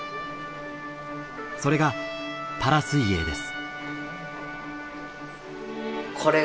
それがパラ水泳です。